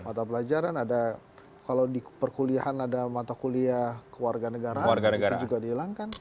mata pelajaran ada kalau di perkuliahan ada mata kuliah kewarganegaraan itu juga dihilangkan